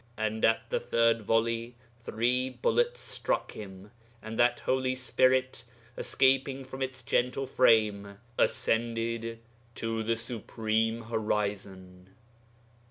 And at the third volley three bullets struck him, and that holy spirit, escaping from its gentle frame, ascended to the Supreme Horizon.'